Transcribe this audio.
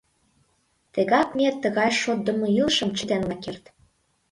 Тегак ме тыгай шотдымо илышым чытен она керт.